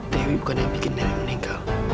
dewi bukan yang bikin nenek meninggal